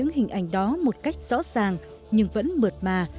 nghe tôi nói đã